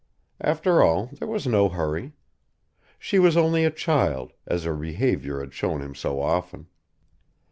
After all there was no hurry. She was only a child, as her behaviour had shown him so often.